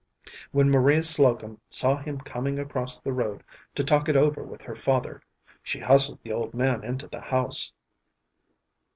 When Maria Slocum saw him coming across the road to talk it over with her father, she hustled the old man into the house.